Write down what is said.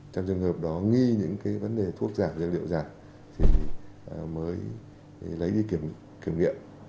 trong trường hợp đó nghi những vấn đề thuốc giả dược liệu giả thì mới lấy đi kiểm nghiệm